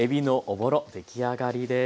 出来上がりです。